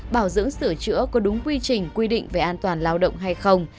bảo dưỡng sửa chữa có đúng quy trình quy định về an toàn lao động hay không